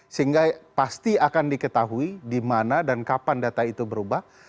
sehingga pasti akan diketahui di mana dan kapan data itu berubah